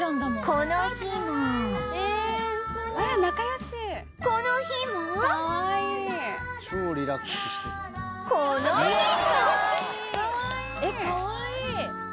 この日もえっかわいい！